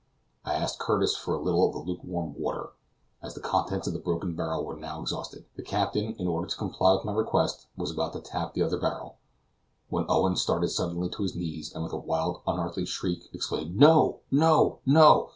I asked Curtis for a little of the lukewarm water. As the contents of the broken barrel were now exhausted, the captain, in order to comply with my request, was about to tap the other barrel, when Owen started suddenly to his knees, and with a wild, unearthly shriek, exclaimed: "No! no! no!